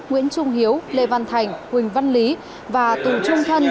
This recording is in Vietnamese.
nguyễn trung hiếu lê văn thành huỳnh văn lý và tù trung thân